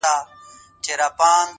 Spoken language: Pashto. • دوی ګومان کوي پر ټول جهان تیاره ده ,